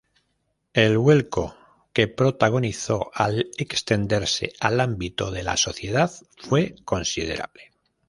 El vuelco que protagonizó al extenderse al ámbito de la sociedad fue considerable.